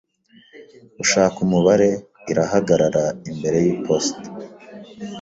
Ushaka Umubare . Irahagarara imbere yiposita.